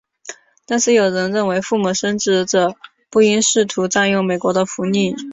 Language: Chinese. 但是有人认为赴美生子者不应试图占用美国的福利。